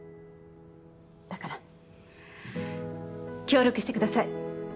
だから協力してください。